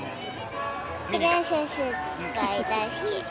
プリンセスが大好き。